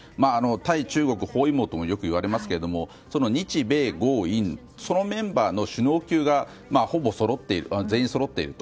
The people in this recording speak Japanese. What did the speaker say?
対中国包囲網ともよく言われますがその日米豪印そのメンバーの首脳級が全員そろっている。